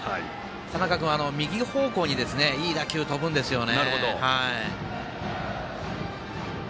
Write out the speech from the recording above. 佐仲君、右方向にいい打球飛ぶんですよね。